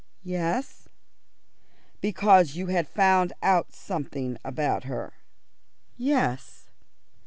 "Yes." "Because you had found out something about her?" "Yes."